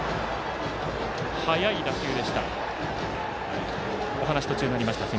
速い打球でした。